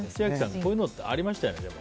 こういうのありましたよね。